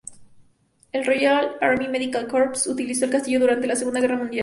La "Royal Army Medical Corps" utilizó el castillo durante la Segunda Guerra Mundial.